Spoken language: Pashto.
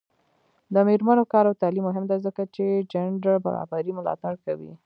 د میرمنو کار او تعلیم مهم دی ځکه چې جنډر برابرۍ ملاتړ کوي.